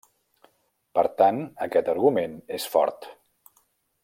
Per tant, aquest argument és fort.